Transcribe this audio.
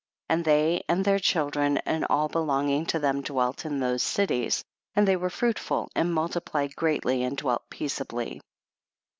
27. And they and their children and all belonging to them dwelt in those cities, and they were fruitful and multiplied greatly and dwelt peaceably.